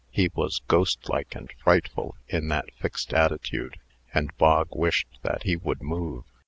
He was ghostlike and frightful in that fixed attitude, and Bog wished that he would move.